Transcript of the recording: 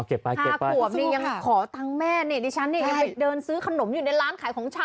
๔ขวบหนึ่งยังขอตังแม่เนี่ยดิฉันนี่เดินซื้อขนมอยู่ในล้านขายของชำ